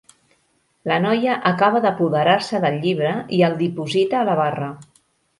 La noia acaba d'apoderar-se del llibre i el diposita a la barra.